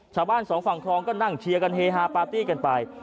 ชาวบ้านสองฝั่งครองก็นั่งเชียวกันเฮฮาปาร์ตี้กันไป